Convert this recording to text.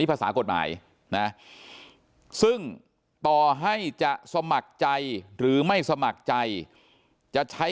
ภาษากฎหมายนะซึ่งต่อให้จะสมัครใจหรือไม่สมัครใจจะใช้